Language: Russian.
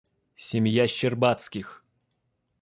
Семья Щербацких.